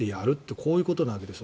こういうことなわけでしょう。